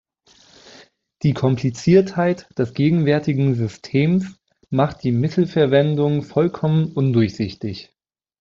Die Kompliziertheit des gegenwärtigen Systems macht die Mittelverwendung vollkommen undurchsichtig.